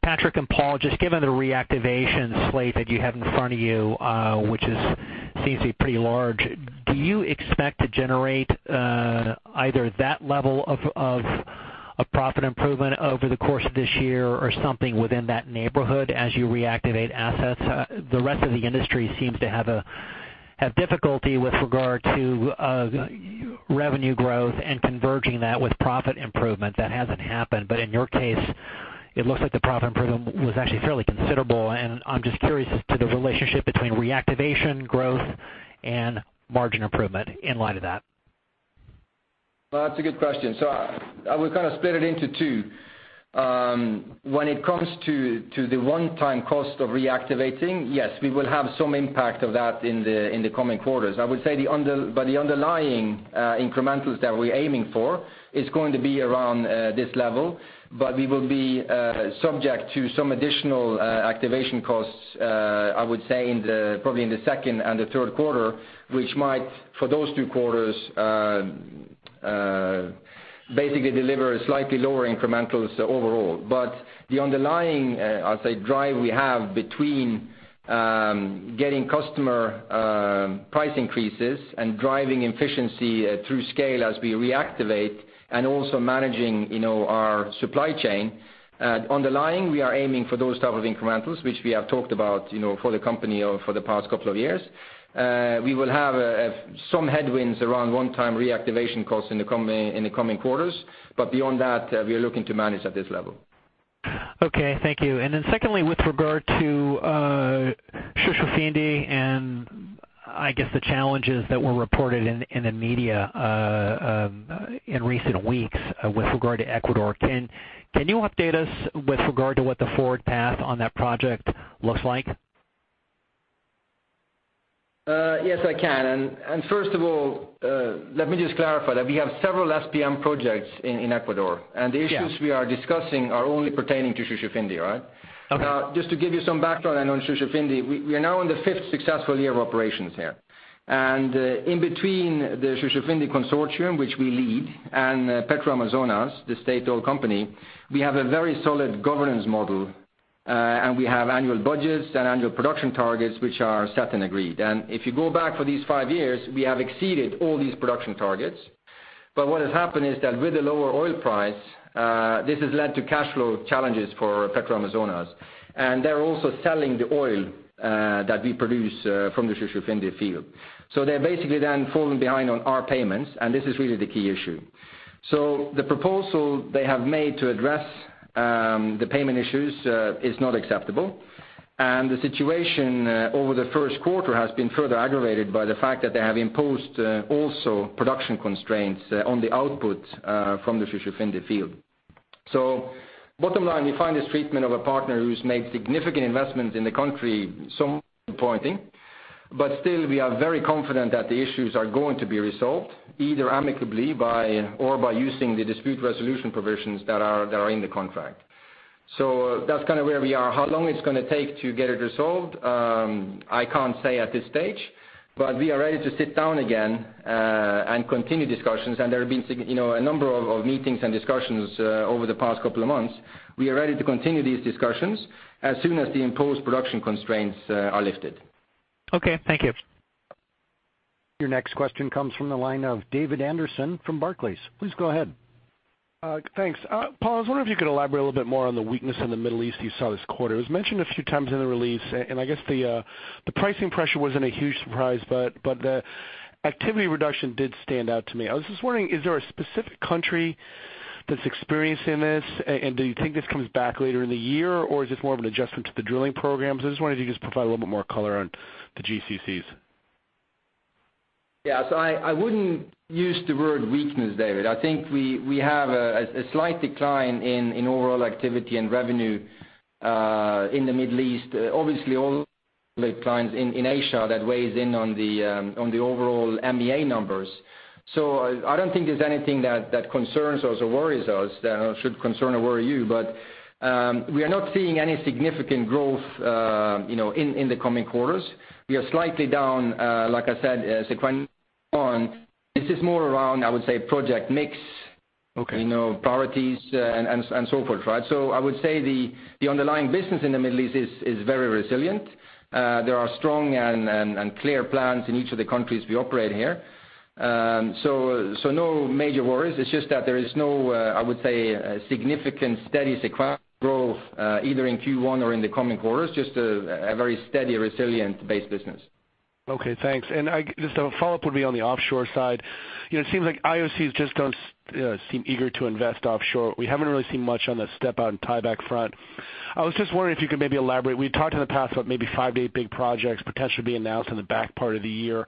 Patrick and Paal, just given the reactivation slate that you have in front of you, which seems to be pretty large, do you expect to generate either that level of profit improvement over the course of this year or something within that neighborhood as you reactivate assets? The rest of the industry seems to have difficulty with regard to revenue growth and converging that with profit improvement. That hasn't happened, but in your case, it looks like the profit improvement was actually fairly considerable, and I'm just curious as to the relationship between reactivation growth and margin improvement in light of that. Well, that's a good question. I would split it into two. When it comes to the one-time cost of reactivating, yes, we will have some impact of that in the coming quarters. I would say, but the underlying incrementals that we're aiming for is going to be around this level, but we will be subject to some additional activation costs, I would say probably in the second and the third quarter, which might, for those two quarters basically deliver slightly lower incrementals overall. The underlying, I'll say, drive we have between getting customer price increases and driving efficiency through scale as we reactivate and also managing our supply chain. Underlying, we are aiming for those type of incrementals, which we have talked about for the company for the past couple of years. We will have some headwinds around one-time reactivation costs in the coming quarters. Beyond that, we are looking to manage at this level. Okay, thank you. Then secondly, with regard to Shushufindi and, I guess, the challenges that were reported in the media in recent weeks with regard to Ecuador. Can you update us with regard to what the forward path on that project looks like? Yes, I can. First of all, let me just clarify that we have several SPM projects in Ecuador. Yeah. The issues we are discussing are only pertaining to Shushufindi. Okay. Just to give you some background on Shushufindi, we are now in the fifth successful year of operations here. In between the Shushufindi consortium, which we lead, and Petroamazonas, the state oil company, we have a very solid governance model, we have annual budgets and annual production targets, which are set and agreed. If you go back for these five years, we have exceeded all these production targets. What has happened is that with the lower oil price, this has led to cash flow challenges for Petroamazonas. They're also selling the oil that we produce from the Shushufindi field. They're basically then falling behind on our payments, this is really the key issue. The proposal they have made to address the payment issues is not acceptable. The situation over the first quarter has been further aggravated by the fact that they have imposed also production constraints on the output from the Shushufindi field. Bottom line, we find this treatment of a partner who's made significant investments in the country somewhat disappointing. Still, we are very confident that the issues are going to be resolved, either amicably or by using the dispute resolution provisions that are in the contract. That's where we are. How long it's going to take to get it resolved, I can't say at this stage. We are ready to sit down again and continue discussions. There have been a number of meetings and discussions over the past couple of months. We are ready to continue these discussions as soon as the imposed production constraints are lifted. Okay, thank you. Your next question comes from the line of David Anderson from Barclays. Please go ahead. Thanks. Paal, I was wondering if you could elaborate a little bit more on the weakness in the Middle East you saw this quarter. It was mentioned a few times in the release, I guess the pricing pressure wasn't a huge surprise, but the activity reduction did stand out to me. I was just wondering, is there a specific country that's experiencing this? Do you think this comes back later in the year, or is this more of an adjustment to the drilling programs? I just wondered if you could just provide a little bit more color on the GCCs. Yeah. I wouldn't use the word weakness, David. I think we have a slight decline in overall activity and revenue in the Middle East. Obviously, all the declines in Asia that weighs in on the overall MEA numbers. I don't think there's anything that concerns us or worries us that should concern or worry you. We are not seeing any significant growth in the coming quarters. We are slightly down, like I said, sequentially. This is more around, I would say, project mix- Okay priorities and so forth. I would say the underlying business in the Middle East is very resilient. There are strong and clear plans in each of the countries we operate here. No major worries. It is just that there is no, I would say, significant steady sequential growth either in Q1 or in the coming quarters, just a very steady, resilient base business. Okay, thanks. Just a follow-up would be on the offshore side. It seems like IOCs just do not seem eager to invest offshore. We have not really seen much on the step-out and tieback front. I was just wondering if you could maybe elaborate. We talked in the past about maybe 5 to 8 big projects potentially being announced in the back part of the year.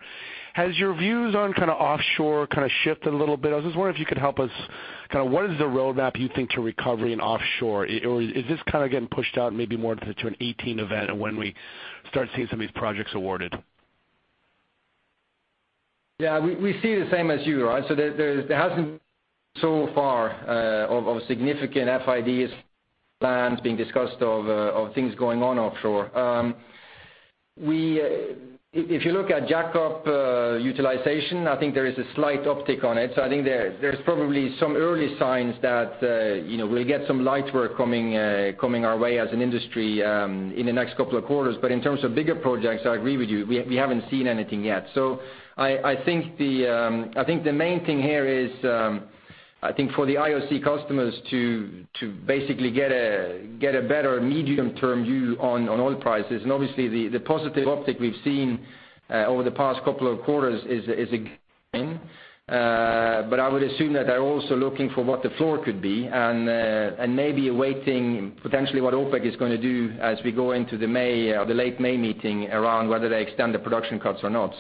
Has your views on offshore shifted a little bit? I was just wondering if you could help us, what is the roadmap you think to recovery in offshore? Or is this getting pushed out maybe more to a 2018 event of when we start seeing some of these projects awarded? Yeah, we see the same as you. There has not so far of significant FIDs plans being discussed of things going on offshore. If you look at jackup utilization, I think there is a slight uptick on it. I think there is probably some early signs that we will get some light work coming our way as an industry in the next couple of quarters. In terms of bigger projects, I agree with you, we have not seen anything yet. I think the main thing here is, I think for the IOC customers to basically get a better medium-term view on oil prices. Obviously, the positive uptick we have seen over the past couple of quarters is but I would assume that they are also looking for what the floor could be and maybe awaiting potentially what OPEC is going to do as we go into the late May meeting around whether they extend the production cuts or not.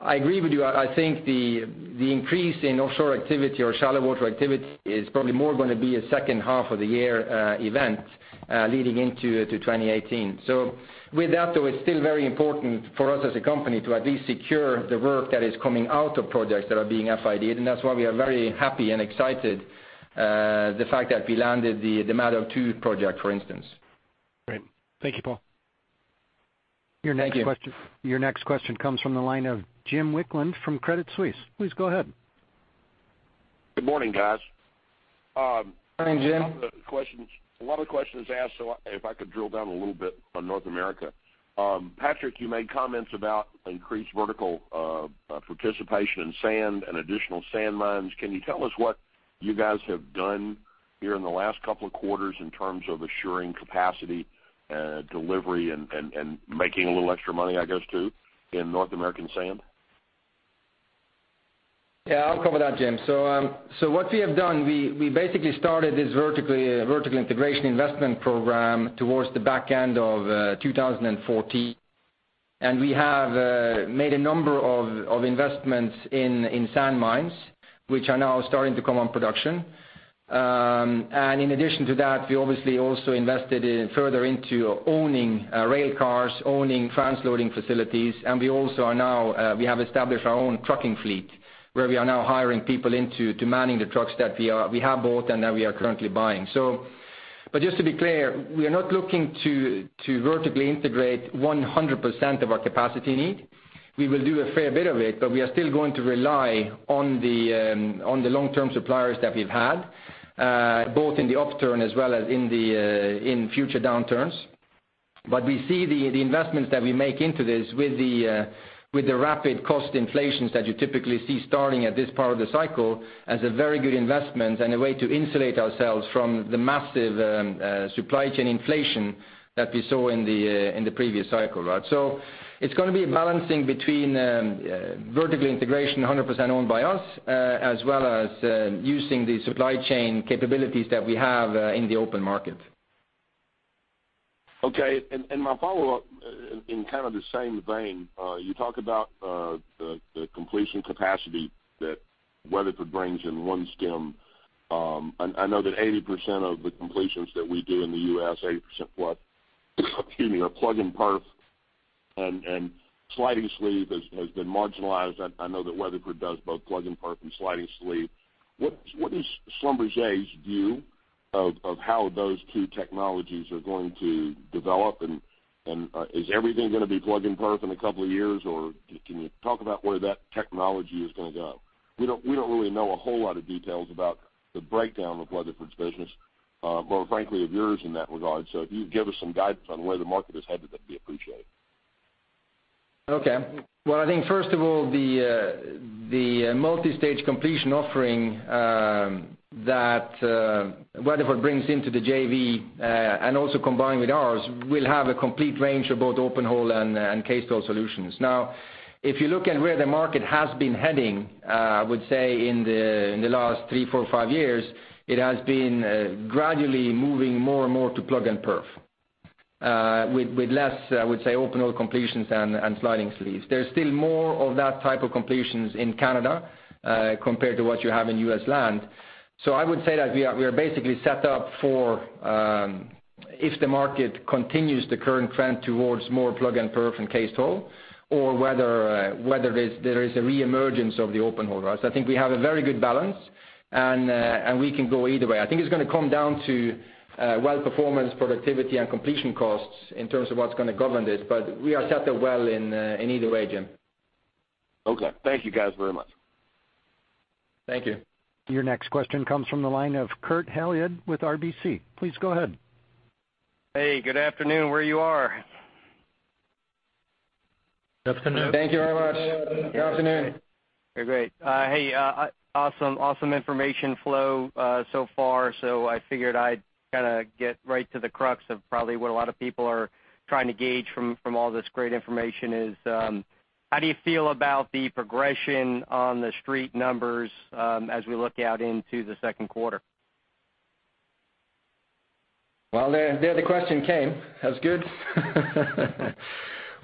I agree with you. I think the increase in offshore activity or shallow water activity is probably more going to be a second half of the year event leading into 2018. With that, though, it is still very important for us as a company to at least secure the work that is coming out of projects that are being FID'd, and that is why we are very happy and excited the fact that we landed the Mad Dog 2 project, for instance. Great. Thank you, Paal. Thank you. Your next question comes from the line of Jim Wicklund from Credit Suisse. Please go ahead. Good morning, guys. Morning, Jim. A lot of the questions asked. If I could drill down a little bit on North America. Patrick, you made comments about increased vertical participation in sand and additional sand mines. Can you tell us what you guys have done here in the last couple of quarters in terms of assuring capacity, delivery and making a little extra money, I guess, too, in North American sand? Yeah, I'll cover that, Jim. What we have done, we basically started this vertical integration investment program towards the back end of 2014. We have made a number of investments in sand mines, which are now starting to come on production. In addition to that, we obviously also invested further into owning rail cars, owning transloading facilities, and we also have established our own trucking fleet, where we are now hiring people into manning the trucks that we have bought and that we are currently buying. Just to be clear, we are not looking to vertically integrate 100% of our capacity need. We will do a fair bit of it, but we are still going to rely on the long-term suppliers that we've had, both in the upturn as well as in future downturns. We see the investments that we make into this with the rapid cost inflations that you typically see starting at this part of the cycle as a very good investment and a way to insulate ourselves from the massive supply chain inflation that we saw in the previous cycle. It's going to be a balancing between vertical integration 100% owned by us, as well as using the supply chain capabilities that we have in the open market. Okay. My follow-up in kind of the same vein, you talk about the completion capacity that Weatherford brings in OneStim. I know that 80% of the completions that we do in the U.S. are plug and perf, and sliding sleeve has been marginalized. I know that Weatherford does both plug and perf and sliding sleeve. What is Schlumberger's view of how those two technologies are going to develop? Is everything going to be plug and perf in a couple of years, or can you talk about where that technology is going to go? We don't really know a whole lot of details about the breakdown of Weatherford's business, or frankly of yours in that regard. If you could give us some guidance on where the market is headed, that'd be appreciated. Okay. Well, I think first of all, the multi-stage completion offering that Weatherford brings into the JV, also combined with ours, we'll have a complete range of both open hole and cased hole solutions. Now, if you look at where the market has been heading, I would say in the last three, four, five years, it has been gradually moving more and more to plug and perf with less, I would say, open hole completions and sliding sleeves. There's still more of that type of completions in Canada compared to what you have in U.S. land. I would say that we are basically set up for if the market continues the current trend towards more plug and perf and cased hole, or whether there is a re-emergence of the open hole. I think we have a very good balance, and we can go either way. I think it's going to come down to well performance, productivity, and completion costs in terms of what's going to govern this. We are set up well in either way, Jim. Okay. Thank you guys very much. Thank you. Your next question comes from the line of Kurt Hallead with RBC. Please go ahead. Hey, good afternoon, where you are. Good afternoon. Thank you very much. Good afternoon. Great. Hey, awesome information flow so far. I figured I'd kind of get right to the crux of probably what a lot of people are trying to gauge from all this great information is, how do you feel about the progression on the Street numbers as we look out into the second quarter? Well, there the question came. That was good.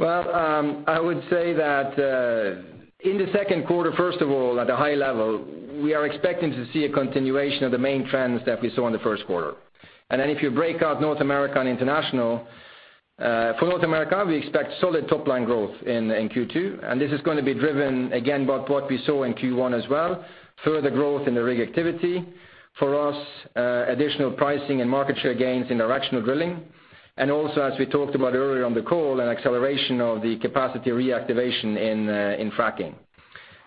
Well, I would say that in the second quarter, first of all, at a high level, we are expecting to see a continuation of the main trends that we saw in the first quarter. If you break out North America and international, for North America, we expect solid top-line growth in Q2, this is going to be driven again by what we saw in Q1 as well, further growth in the rig activity for us, additional pricing and market share gains in directional drilling. Also, as we talked about earlier on the call, an acceleration of the capacity reactivation in fracking.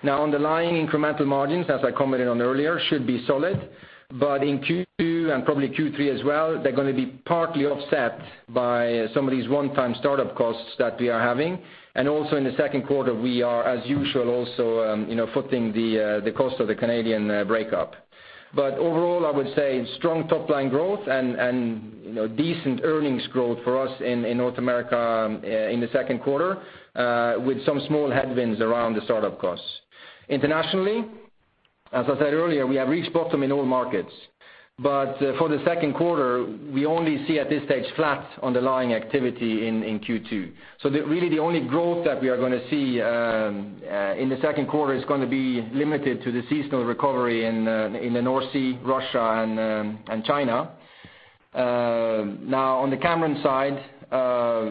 Underlying incremental margins, as I commented on earlier, should be solid. In Q2 and probably Q3 as well, they're going to be partly offset by some of these one-time startup costs that we are having. Also in the second quarter, we are, as usual, also footing the cost of the Canadian breakup. Overall, I would say strong top-line growth and decent earnings growth for us in North America in the second quarter, with some small headwinds around the startup costs. Internationally, as I said earlier, we have reached bottom in all markets. For the second quarter, we only see at this stage flat underlying activity in Q2. Really the only growth that we are going to see in the second quarter is going to be limited to the seasonal recovery in the North Sea, Russia, and China. On the Cameron side,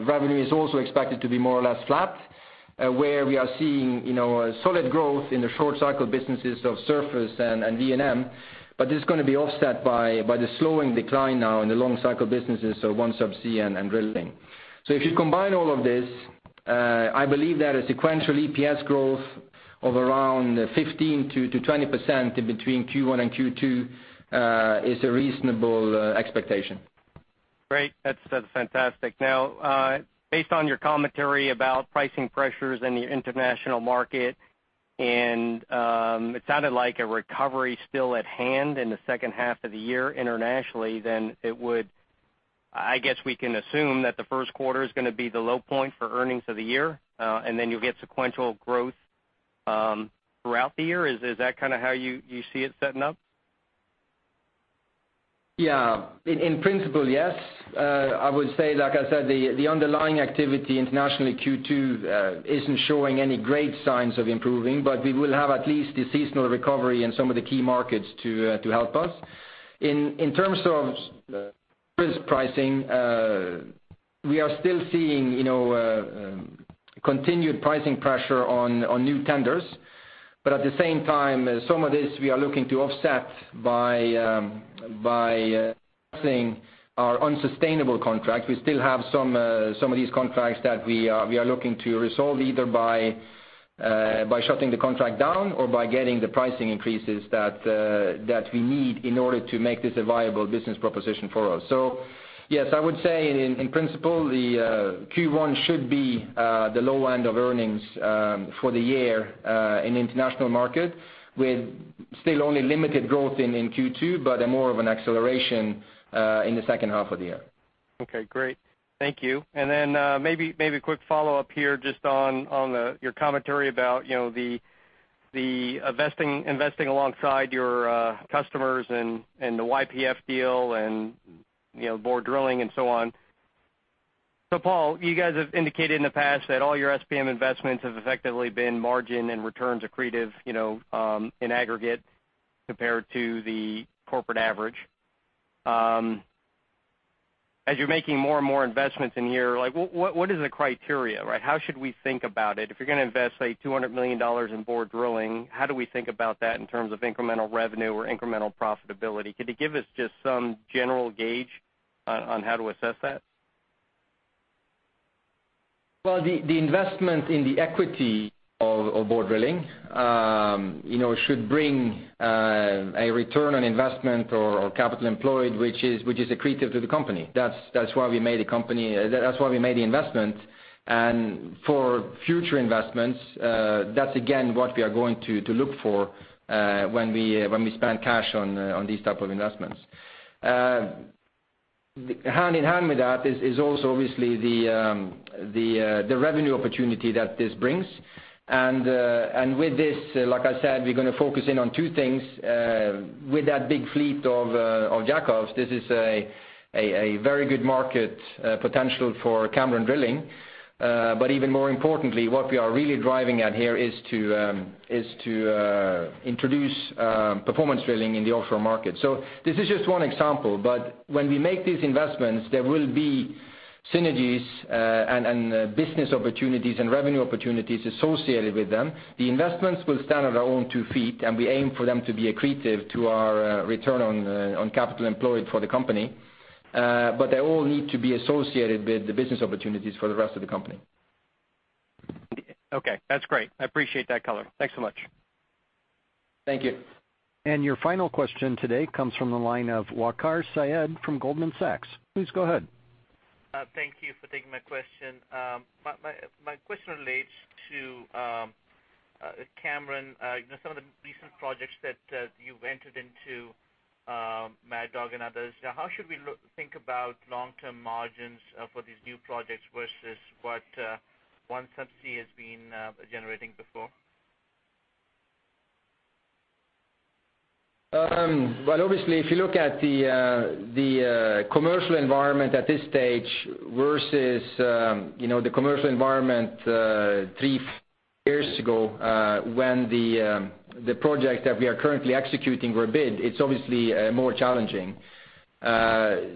revenue is also expected to be more or less flat. We are seeing solid growth in the short-cycle businesses of surface and D&M, this is going to be offset by the slowing decline now in the long-cycle businesses, OneSubsea and drilling. If you combine all of this I believe that a sequential EPS growth of around 15%-20% between Q1 and Q2 is a reasonable expectation. Great. That's fantastic. Based on your commentary about pricing pressures in the international market, it sounded like a recovery still at hand in the second half of the year internationally, I guess we can assume that the first quarter is going to be the low point for earnings of the year, then you'll get sequential growth throughout the year. Is that how you see it setting up? In principle, yes. I would say, like I said, the underlying activity internationally Q2 isn't showing any great signs of improving, we will have at least the seasonal recovery in some of the key markets to help us. In terms of risk pricing, we are still seeing continued pricing pressure on new tenders. At the same time, some of this we are looking to offset by pricing our unsustainable contract. We still have some of these contracts that we are looking to resolve either by shutting the contract down or by getting the pricing increases that we need in order to make this a viable business proposition for us. Yes, I would say in principle, the Q1 should be the low end of earnings for the year in international market, with still only limited growth in Q2, more of an acceleration in the second half of the year. Okay, great. Thank you. Maybe a quick follow-up here just on your commentary about the investing alongside your customers and the YPF deal and Borr Drilling and so on. Paal, you guys have indicated in the past that all your SPM investments have effectively been margin and returns accretive in aggregate compared to the corporate average. As you're making more and more investments in here, what is the criteria? How should we think about it? If you're going to invest, say, $200 million in Borr Drilling, how do we think about that in terms of incremental revenue or incremental profitability? Could you give us just some general gauge on how to assess that? The investment in the equity of Borr Drilling should bring a return on investment or capital employed, which is accretive to the company. That's why we made the investment. For future investments, that's again, what we are going to look for when we spend cash on these type of investments. Hand in hand with that is also obviously the revenue opportunity that this brings. With this, like I said, we're going to focus in on two things. With that big fleet of Jack-ups, this is a very good market potential for Cameron Drilling. Even more importantly, what we are really driving at here is to introduce performance drilling in the offshore market. This is just one example, but when we make these investments, there will be synergies and business opportunities and revenue opportunities associated with them. The investments will stand on their own two feet, and we aim for them to be accretive to our return on capital employed for the company. They all need to be associated with the business opportunities for the rest of the company. That's great. I appreciate that color. Thanks so much. Thank you. Your final question today comes from the line of Waqar Syed from Goldman Sachs. Please go ahead. Thank you for taking my question. My question relates to Cameron, some of the recent projects that you've entered into, Mad Dog and others. How should we think about long-term margins for these new projects versus what OneSubsea has been generating before? Obviously, if you look at the commercial environment at this stage versus the commercial environment three years ago, when the project that we are currently executing were bid, it's obviously more challenging. To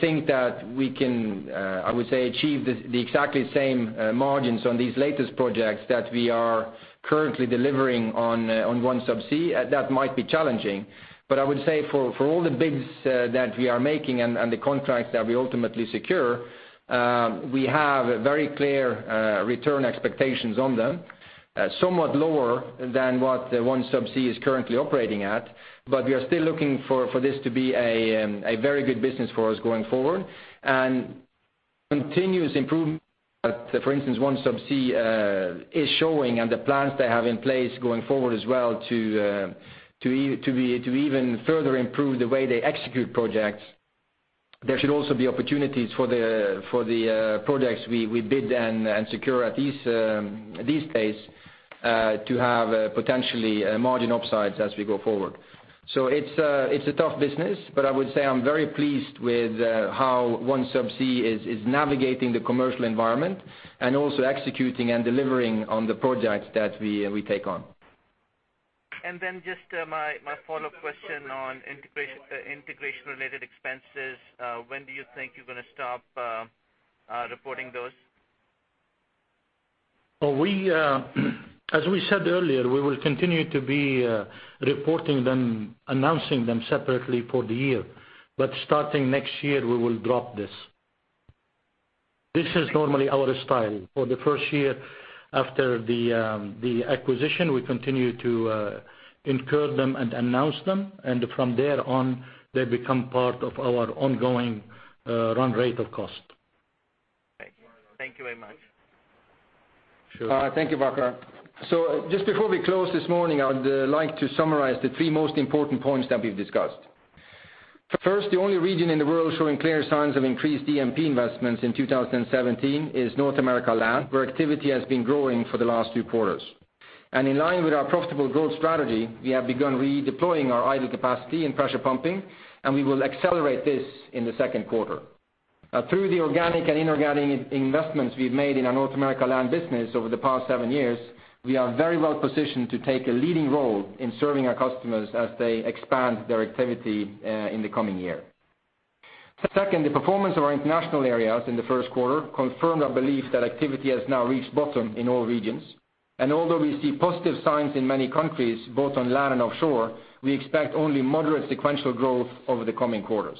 think that we can, I would say, achieve the exactly same margins on these latest projects that we are currently delivering on OneSubsea, that might be challenging. I would say for all the bids that we are making and the contracts that we ultimately secure, we have very clear return expectations on them, somewhat lower than what OneSubsea is currently operating at. We are still looking for this to be a very good business for us going forward. Continuous improvement that, for instance, OneSubsea is showing and the plans they have in place going forward as well to even further improve the way they execute projects, there should also be opportunities for the projects we bid and secure at these pace to have potentially margin upsides as we go forward. It's a tough business, but I would say I'm very pleased with how OneSubsea is navigating the commercial environment and also executing and delivering on the projects that we take on. Just my follow-up question on integration-related expenses. When do you think you're going to stop reporting those? As we said earlier, we will continue to be reporting them, announcing them separately for the year. Starting next year, we will drop this. This is normally our style. For the first year after the acquisition, we continue to incur them and announce them, and from there on, they become part of our ongoing run rate of cost. Thank you. Thank you very much. Sure. Thank you, Waqar. Just before we close this morning, I would like to summarize the three most important points that we've discussed. First, the only region in the world showing clear signs of increased E&P investments in 2017 is North America Land, where activity has been growing for the last two quarters. In line with our profitable growth strategy, we have begun redeploying our idle capacity in pressure pumping, and we will accelerate this in the second quarter. Through the organic and inorganic investments we've made in our North America Land business over the past seven years, we are very well positioned to take a leading role in serving our customers as they expand their activity in the coming year. Second, the performance of our international areas in the first quarter confirmed our belief that activity has now reached bottom in all regions. Although we see positive signs in many countries, both on land and offshore, we expect only moderate sequential growth over the coming quarters.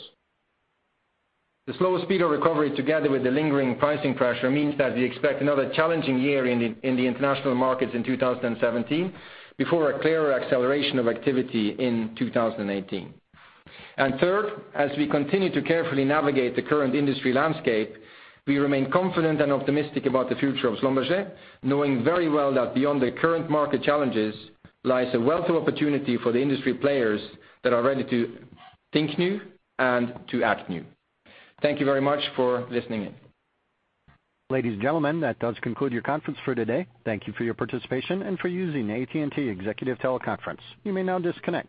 The slower speed of recovery together with the lingering pricing pressure means that we expect another challenging year in the international markets in 2017 before a clearer acceleration of activity in 2018. Third, as we continue to carefully navigate the current industry landscape, we remain confident and optimistic about the future of Schlumberger, knowing very well that beyond the current market challenges lies a wealth of opportunity for the industry players that are ready to think new and to act new. Thank you very much for listening in. Ladies and gentlemen, that does conclude your conference for today. Thank you for your participation and for using AT&T executive teleconference. You may now disconnect.